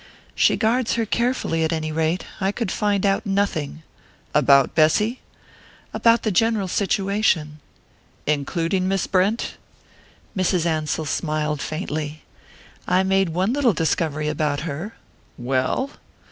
"She guards her carefully, at any rate. I could find out nothing." "About Bessy?" "About the general situation." "Including Miss Brent?" Mrs. Ansell smiled faintly. "I made one little discovery about her." "Well?"